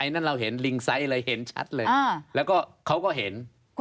นั่นเราเห็นลิงไซส์อะไรเห็นชัดเลยแล้วก็เขาก็เห็น